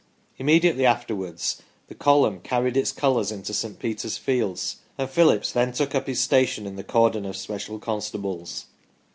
Immediately afterwards the column carried its colours into St. Peter's fields, and Phillips then took up his station in the cordon of special constables.